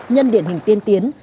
nhân điển hình tiên tiến